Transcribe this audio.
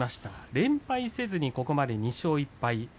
連敗せずにここまで２勝１敗。